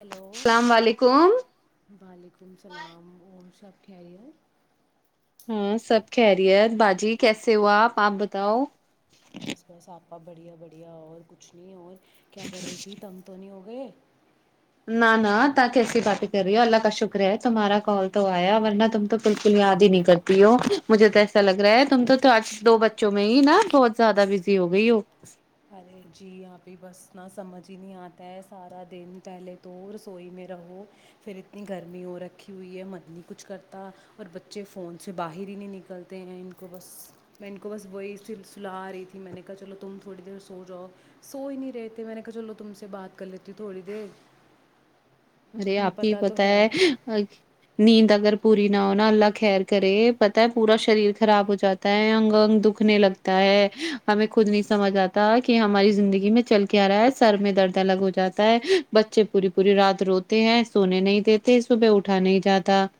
hello السلام علیکم وعلیکم السلام ش [unintelligible] کیاہریو [unintelligible] ہاں سب کہہریت باجی کیسے ہوا آپ آپ بتاؤ پاپا بڑھیا بڑھیا اور کھ نہیں اور [unintelligible] کیا کر رہی تھی تنگ تو نہیں ہوگا [unintelligible] و [unintelligible] نا نا تاک کیسی باتیں کر رہی ہو اللہ کا شکر ہے تمہار کال تو آیا ورنہ تم تو بالکل یاد ہی نہیں کرتی ہو مجھے تو ایسا لگ رہا ہے تم تو آج دو بچوں میں ہی نا بہت زیادہ بزی ہو گئی ہو [unintelligible] ارے جی آپھی بس ن سمجھ ہی نہیں آتا ہے سارا دن پہلے تو رسوئی میں رہو پھر اتنی گرمی ہو رکھی ہوئی ہے مت نہیں کچھ کرتا اور بچے فون سے باہر ہی نہیں نکلتے ہیں ان کو بس میں ان کو بس وہی سل سلا رہی تھی میں نے کہا چلو تم تھوڑی دیر [unintelligible] سو جاؤ سو ہی نہیں رہے تھے میں نے کہا چلو تم سے بات کر لیتی تھوڑی دیر ارے میں آپ ہی پتہ تو پتا ہے نیند اگر پوری نہ ہونا اللہ خیر کرے پتا ہے پورا شریر خراب ہو جاتا ہے انگ انگ دکھنے لگتا ہے ہمیں خود نہیں سمجھ آتا کہ ہماری زندگی میں چل کے آ رہا ہے سر میں درد الگ ہو جاتا ہے بچے پوری پوری رات رو [unintelligible] تے ہیں سونے نہیں دیتے صبح اٹھا نہیں جاتا [unintelligible]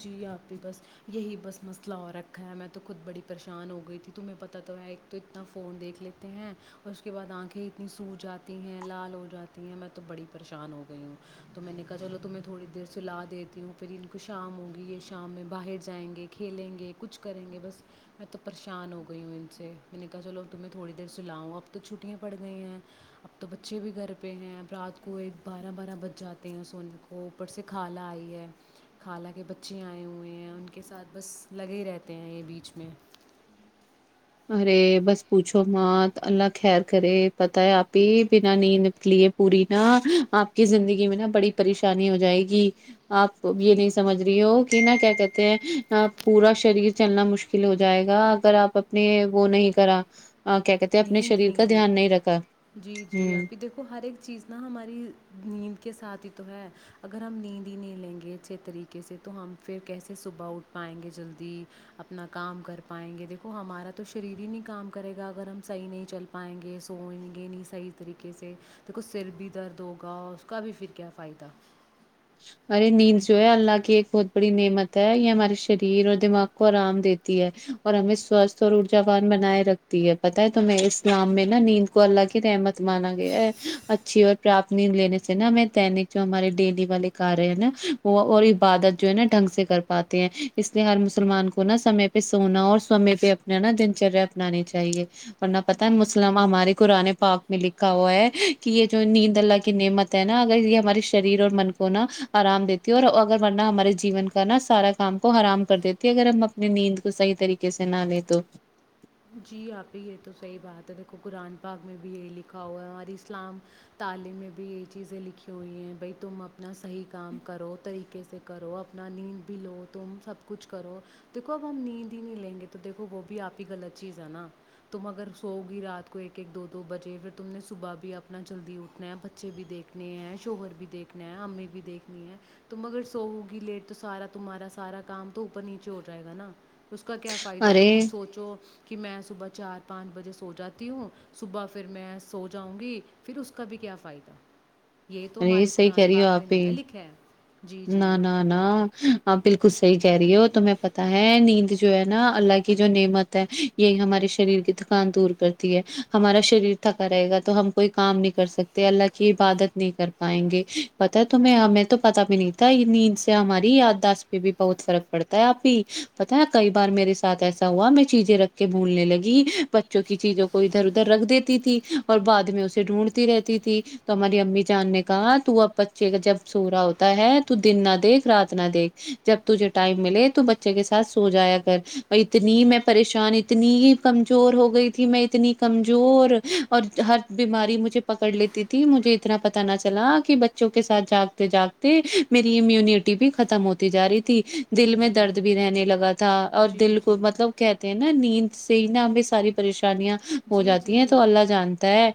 جی آپ بھی بس یہی بس مسئلہ اور رکھا ہے میں تو خود بڑی پریشان ہو گئی تھی تمہیں پتتا تو ایک تو اتنا فون دیکھ لیتے ہیں اور اس کے بعد آنکھیں اتنی سو جاتی ہیں لال ہو جاتی ہیں میں تو بڑی پریشان ہو گئی ہوں تو میں نے کہا چلو تمہیں تھوڑی دیر س لا دیتی ہوں پھر ان شام ہوگی یہ شام میں باہر جائیں گے کھیلیں گے کچھ کریں گے بس میں تو پریشان ہو گئی ہوں ان سے میں نے کہا چلو تمہیں تھوڑی دیر سلاؤں اب تو چھٹیاں پڑ گئی ہیں اب تو بچے بھی گھر پہ ہیں اب رات کو ایک بارہ بارہ بج جاتے ہیں سونے کو اوپر سے کالا آئی ہے [unintelligible] خالہ کے بچے آئے ہوئے ہیں ان کے ساتھ بس لگے ہی رہتے ہیں یہ بیچ میں ارے بس پوچھو مات اللہ خیر کرے پتہ ہے آپ ہی بنا نیند نکلی ہے پوری نا آپ کی زندگی میں نا بڑی پریشانی ہو جائے گی آپ یہ نہیں جی سمجھ رہی ہو کہ نا کیا کہتے ہیں پورا شریر چلنا مشکل ہو جائے گا اگر آپ نے وہ نہیں کرا [unintelligible] ہیں اپنے نیند شریر نی کا لی دھیان نہیں رکھا جی جی ہوں ابھی دیکھو ہر ایک چیز نا ہماری نیند کے ساتھ تو ہے اگر ہم نیند ہی نہیں لیں گے اچھے طریقے سے تو ہم پھر کیسے صبح اٹھ پائیں گے جلدی اپنا کام کر پائیں گے دیکھو ہمارا تو شریر ہی نہیں کام کرے گا اگر ہم [inaudible] صحیح نہیں چل پائیں گے سوئیں گے نہیں صحیح طریقے سے د کھ سر بھی درد ہوگا اس کا بھی پھر کیا فائدہ ارے نیند جو ہے اللہ کی ایک بہت بڑی نعمت ہے یہ ہمارے شریر اور دماغ کو آرام دیتی ہے اور ہمیں سوستھ اور ارجاوان بنائے رکھتی ہے پتہ ہے تو میں اسلام میں نا نیند کو اللہ کی نعمت مانا گیا ہے اچھی اور پراپت نیند لینے سے نا ہم دینک جو ہمارے ڈیلی والے ک ہے نا وہ اور عبادت جو ہے نا ڈھنگ سے کر پاتے ہیں اس لیے ہر مسلمان کو نا سمے پہ سونا اور سمے پہ اپنا نا دن چریا اپنانی چاہیے [inaudible] ورنا پت ہے جی جی مسلم ہمارے قآانے پاپ [inaudible] میں لکھا ہوا ہے کہ یہ جو نیند اللہ کی نعمت ہے نا اگر یہ ہمارے شریر اور من [inaudible] کو نا آرام دیتی اور اگر ورنہ ہمارے جیون کا نا سارا کام کو آرام کر دیتی ہے اگر ہم اپنی نیند کو صحیح طریقے سے نہ لیں تو [inaudible] جی آپھی یہ تو صحیح بات ہے دیکھو قرآن پااک میں بھی یہی لکھا ہوا ہے ہماری اسلام تعلیم میں بھی یہی چیزیں لکھی ہوئی ہیں بھائی تم نہ صحیح کام کرو طریقے سے [inaudible] کرو اپنا نیند بھی لو تم سب کچھ کرو دیکھو اب ہم نیند ہی نہیں لیں گے تو دیکھو وہ بھی آپ ہی غط چیز ہے نا تم اگر سوؤ گی رات کو ایک ایک دو دو بجے پھر تم نے صبح بھی اپنا جلدی اٹھنا ہے بچے بھی دیکھنے ہیں شوہر بھی دیکھنا ہے امی بھی دیکھنی ہے تم اگر سوؤ گی لیٹ تو سارا تمہارا سارا کام تو اوپر نیچے ہو جائے گا نا [inaudible] اس کا کیا فائدہ ارے تم سوچو کہ میں صبح چار پانچ بجے سو جاتی ہوں صبح پھر میں سو جاؤں گی پھر اس کا بھی کیا فائدہ یہ ارے تمارے قرآن پاک میں نہیں نا لکھا جی جی نا نا نا نا کچھ صحیح کہہ رہی ہو تمہیں پتہ ہے نیند جو ہے نا اللہ کی جو نعمت ہے یہ ہماری شریر کی دکان دور کرتی ہے ہمارا شدید تھکا رہے گا تو ہم کوئی کام نہیں کر سکتے اللہ کی عبادت نہیں کر پائیں گے پتہ تو میں تو پتہ بھی نہیں نیند سے ہماری یادداشت پہ بھی بہت فرق پڑتا ہے اپی پتہ ہے کئی بار میرے ساتھ ایسا ہوا میں چیزیں رکھ کے بھولنے لگی بچوں کی چیزوں کو ادھر ادھر رکھ دیتی تھی اور بعد میں اسے ڈھونڈتی رہتی تھی تو ہماری امی جان نے کہا تو اب بچے کا جب سو رہا ہوتا ہے دن نہ دیکھ رات نہ دیکھ جب تجھے ٹائم ملے تو بچے کے ساتھ سو جایا کر بھئی اتنی میں پریشان اتنی ہی کمزور ہو گئی تھی میں اتنی کمزور اور ہر بیماری مجھے پکڑ لیتی تھی مجھے اتنا پتہ نہ چلا کہ بچوں کے ساتھ جاگتے جاگتے میری ایمیونٹی [inaudible] بھی ختم ہوتی جا رہی تھی دل میں جی درد بھی رہنے لگا تھا اور جی دل کو جی مطلب کہتے ہیں نا نیند سے نا امی ساری پریشانی شادیاں ہو جی جاتی ہیں جی تو اللہ جانتا ہے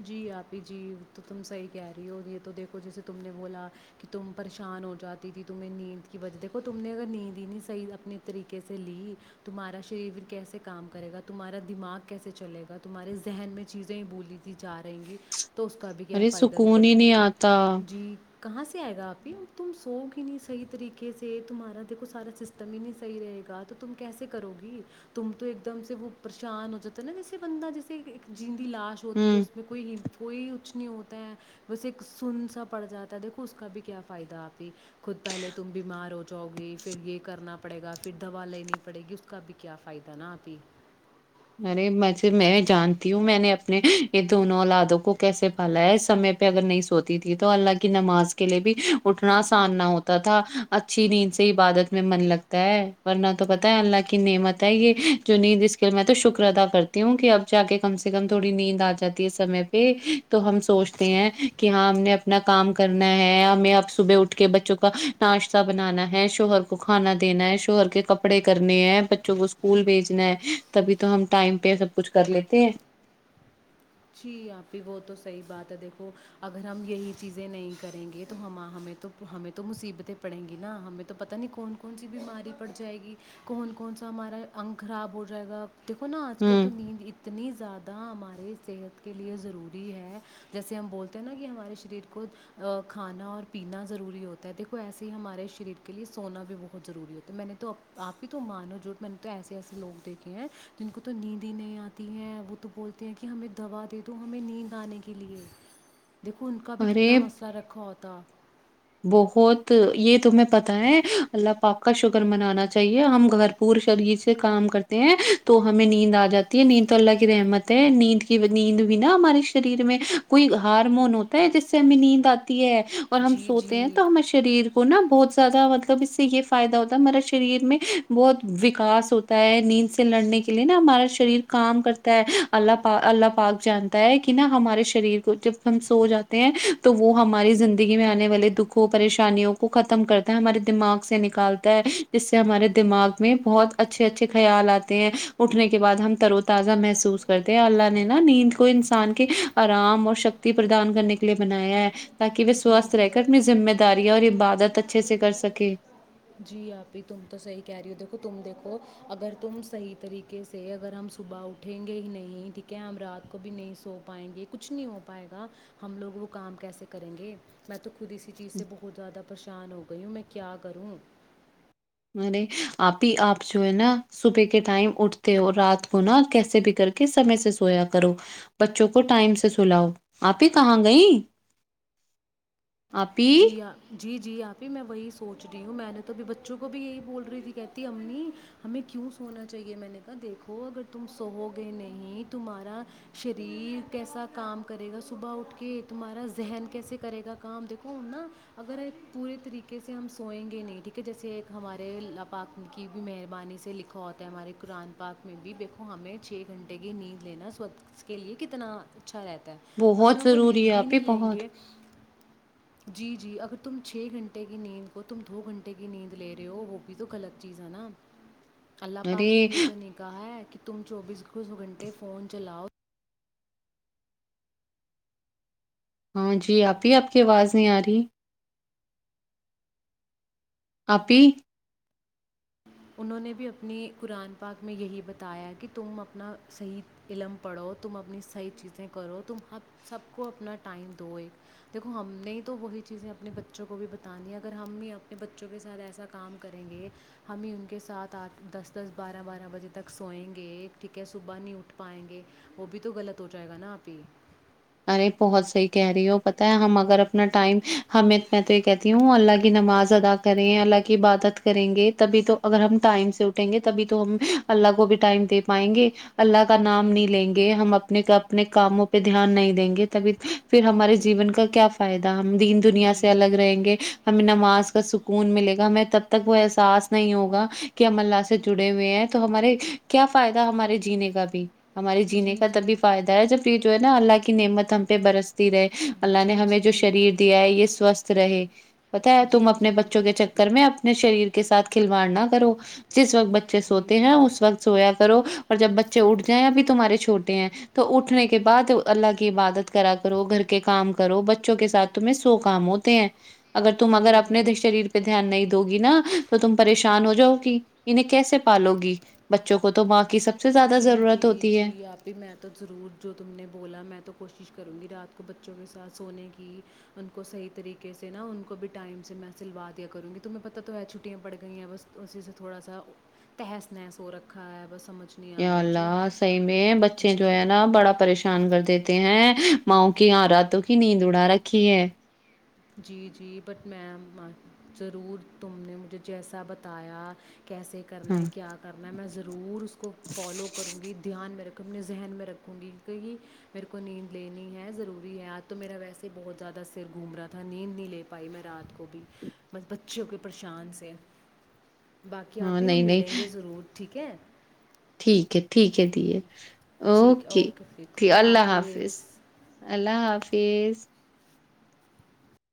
جی آپی جی تو تم صحیح کہہ رہی ہو یہ تو دیکھو جیسے تم نے بولا کہ تم پریشان ہو جاتی تھی تمہیں نیند کی وجہ دیکھو تم نے اگر نیند ہی نہیں صحیح اپنے طریقے سے لی تمہارا شریر کیسے کام کرے گا تمہارا دماغ کیسے چلے گا تمہارے ذہن میں چیزیں ہی بولی تھی جا رہیں گی تو اس کا بھی کیا ارے فائد دیکھو سکون ہی تم نہیں آتا جی کہاں سے آئے گا اپی تم سو گی ہی نہیں صحیح طریقے سے تمہارا دیکھو سارا سسٹم ہی نہیں صحیح رہے گا تو تم کیسے کرو گی تم تو ایک دم سے وہ پریشان ہو جاتی نا جیسے بندہ جیسے ایک جن [inaudible] لاش ہوتی ہوں ہے اس میں کوئی کوئی کچھ نہیں ہوتا ہے بس ایک سن سا پڑ جاتا ہے دیکھو اس کا بھی کیا فائدہ اپی خود پہلے تم بیمار ہو جاؤ گی پھر یہ کرنا پڑے گا پھر دوا لینی پڑے گی اس کا بھی کیا فائدہ نا آپی ارے وسے میں جانتی ہوں میں نے اپنے یہ دونوں اولادوں کو کیسے پالا ہے سمے پہ اگر نہیں سوتی تھی تو اللہ کی نماز کے لیے بھی اٹھنا آسان نہ ہوتا تھا اچھی نیند سے عبادت میں من لگتا ہے ورنہ تو پتا ہے جی اللہ کی نعمت ہے یہ جو نیند [inaudible] تو شکر ادا کرتی ہوں کہ اب جا کے کم سے کم تھوڑی نیند آ جاتی ہے سمے پہ تو ہم سوچتے ہیں کہ ہاں ہم نے اپنا کام کرنا ہے ہمیں اب صبح اٹھ کے بچوں کا ناشتہ بنانا ہے شوہر کو کھانا دینا ہے شوہر کے کپڑے کرنے ہیں بچوں کو اسکول بھیجنا ہے تبھی تو ہم ٹائم پہ سب کچھ کر لیتے ہیں جی آپی وہ تو صحیح بات ہے دیکھو اگر ہم یہی چیزیں نہیں کریں گے تو ہم ہمیں تو ہمیں تو مصیبتیں پڑیں گی نا ہمیں تو پتہ نہیں کون کون سی بیماری پڑ جائے گی کون کون سا ہمارا انگ خراب ہو جائے گا دیکھو نا آج کل ہ تو نیند اتنی زیادہ نہ ہمارے [inaudible] صحت کے لیے ضروری ہے جیسے ہم بولتے ہیں نا کہ ہمارے شریر کو کھانا اور پینا ضروری ہوتا ہے دیکھو ایسے ہی ہمارے شریر کے لیے سونا بھی بہت ضروری ہوتا ہے میں نے تو آپ ہی تو مانو جھوٹ میں نے تو ایسے ایسے لوگ دیکھے ہیں جن کو تو نیند ہی نہیں آتی ہے وہ تو بولتے ہیں کہ ہمیں دوا دے دو ہمیں نیند آنے کے لیے دیکو ان کا بھی کتنا ارے مسئلہ رکھا کتا [inaudible] بہت یہ تمہیں پتہ ہے اللہ پاپ کا شوگر منانا چاہیے ہم گھر پور شریر سے کام کرتے ہیں تو ہمیں نیند آ جاتی ہے نیند تو اللہ کی رحمت ہے نیند کی نیند بھی نا ہمارے شریر میں کوئی ہارمون ہوتا ہے جس سے ہمیں نیند آتی ہے اور ہم جی ہوتے جی ہیں تو ہمیں شریر کو نا بہت زیادہ مطلب اس سے یہ فائدہ ہوتا ہے ہمارا شریر میں بہت وکاس ہوتا ہے نیند سے لڑنے کے لیے نا ہمارا شریر کام کرتا ہے اللہ اللہ پاک جانتا ہے کہ نا ہمارے شریر کو جب ہم سو جاتے ہیں تو وہ ہماری زندگی میں آنے والی دکھوں پریشانیوں کو ختم کرتا ہے ہمارے دماغ سے نکالتا ہے جس سے ہمارے دماغ میں بہت اچھے اچھے خیال آتے ہیں اٹھنے کے بعد ہم ترو تازہ محسوس کرتے ہیں اللہ نے نا نیند کو انسان کے آرام اور شکتی پردان کرنے کے لیے بنایا ہے تاکہ بھی جی سواست رہے جی اگرمیں ذمہ دارییاں اور عبادت اچھے سے کر سکے جی آپی تم تو صحیح کہہ رہی ہو دیکھو تم دیکھو اگر تم صحیح طریقے سے اگر ہم صبح اٹھیں گے ہی نہیں ٹھیک ہے ہم رات کو بھی نہیں سو پائیں گے کچھ نہیں ہو پائے گا ہم لوگ وہ کام کیسے کریں گے میں تو خود اسی چیز سے بہت زیادہ پریشان ہو گئی ہوں میں کیا کروں ارے آپ ہی آپ جو ہے نا صبح کے ٹائم اٹھتے ہو رات کو نا کیسے بھی کر کے سمے سے سویا کرو بچوں کو ٹائم سے سلاؤ آپ ہی کہاں گئی جی جی جی آپ ہی میں وہی سوچ رہی ہوں میں نے توبھی بچوں کو بھی یہی بول رہی تھی کہتی امی ہمیں کیوں سونا چاہیے میں نے کہا دیکھو اگر تم سو گے نہیں تمہارا شریر کیسا کام کرے گا صبح اٹھ کے تمہارا ذہن کیسے کرے گا کام دیکھو تو نا اگر ایک پورے طریقے سے ہم سوئیں گے نہیں ٹھیک ہے جیسے ایک ہمارے ال پاک کی بھی مہربانی سے لکھا ہوتا ہے ہمارے قرآن پاک میں بھی دیکھو ہمیں چھ گھنٹے کی نیند لینا سوچ کے لیے کتنا اچھا رہتا ہے اگر بہت ہم وہ ضروری ہے نیندی آپی نہیں لیں بہت گے جی جی اگر تم چھ گھنٹے کی نیند کو تم دو گھنٹے کی نیند لے رہے ہو وہ بھی تو غلط چیز ہے نا اللہ ارے پاک نے یہ تو نہیں کہا ہے کہ تم چوبیس کھ گھنٹے فون چلاؤ ہاں جی ابھی آپ کی آواز نہیں آ رہی اپی انہوں نے بھی اپنی قرآن پاک میں یہی بتایا کہ تم اپنا صحیح علم پڑھو تم اپنی صحیح چیزیں کرو تم ہم سب کو اپنا ٹائم دو ایک دیکھو ہم نے تو وہی چیزیں اپنے بچوں کو بھی بتانی ہیں اگر ہم ہی اپنے بچوں کے ساتھ ایسا کام کریں گے ہم ہی ان کے ساتھ آٹھ دس دس بارہ بارہ بجے تک سوئیں گے ٹھیک ہے صبح نہیں اٹھ پائیں گے وہ بھی تو غلط ہو جائے گا نا آپ ہی ارے بہت صحیح کہہ رہی ہو پتہ ہے ہم اگر اپنا ٹائم ہم میں تو یہ کہتی ہوں اللہ کی نماز ادا کریں اللہ کی عبادت کریں گے تبھی تو اگر ہم ٹائم سے اٹھیں گے تبھی تو ہم اللہ کو بھی ٹائم دے پائیں گے اللہ کا نام جی نہیں لیں گے ہم اپنے کا اپنے کاموں پہ دھیان نہیں دیں گے تبھی پھر ہمارے جیون کا کیا فائدہ ہم دین دنیا سے جی الگ رہیں گے ہمیں نماز کا سکون ملے گا ہمیں تب تک وہ احساس نہیں ہوگا کہ ہم اللہ سے جڑے ہوئے ہیں تو ہمارے کیا فائدہ ہمارے جینے کا بھی ہمارے جینے جی کا جی تبھی فائدہ ہے جب پیٹ نا اللہ کے کی نمتم پہ برستی رہے اللہ نے جی ہمیں جو جی شریر دیا ہے یہ سوستھ رہے پتا ہے تم جی اپنے جی بچوں کے چکر میں اب اپنے شریر کے سھ کھلواڑ نہ کرو جس وقت بچے جی سوتے جی ہیں اس وقت سویا و اور جب بچے اٹھ جائیں یا پھر تمہارے چھوٹے ہیں تو اٹھنے کے بعد اللہ کی عبادت کرا کرو گھر کے کام کرو بچوں کے ساتھ تمہیں سو کام ہوتے ہیں اگر تم اگر جی جی اپنے شریر پہ دھیان نہیں ہوگی نا تو تم پریشان ہو جاؤ گی انہیں کیسے پالو گی بچے چ کو تو ب کی سک جی جی جی آپ ہی میں تو ضرور جو تم نے گات ب سات سویح سلوا دوں گی تمہیں پت تو گئی با ساا ہےجھ اللہ صحیح میں بچے جو جی ہے نا بڑا پریشان کر دیتے ہیں ماؤ کی یہاں راتوں کی نیند اڑا رکھی ہے جی جی بٹ میم ضرور تم نے مجھے جیسا بتایا کیسے کرنا ہاں ہے کیا کرنا ہے میں ضرور اس کو فالو کروں گی دھیان میرے اپنے ذہن میں رکھوں گی کیون کہہ میرے کو نیند لینی ہے ضروری ہے آج تو میرا ویسے ہی بہت زیادہ سر گھوم رہا تھا ت نیند نہیں لے پائی میں رات کو بھی بس بچوں کے پریشان سے باقی ہاں آپ ہی ہم نہیں ملیں نہیں گے ضرور ٹھیک ہے ٹھیک ہے ٹھیک ہے ہے ٹھیک ہے اوکے پھر ٹھیک خدا اللہ حافظ اللہ حافظ